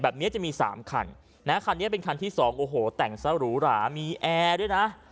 แบบนี้จะมี๓คันนะคันนี้เป็นคันที่สองโอ้โหแต่งซะหรูหรามีแอร์ด้วยนะ